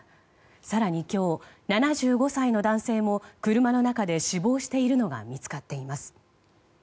更に今日７５歳の男性も車の中で死亡しているのが見つかっています。